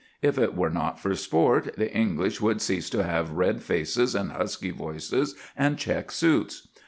If it were not for sport, the English would cease to have red faces and husky voices and check suits.